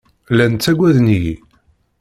Llan ttagaden-iyi.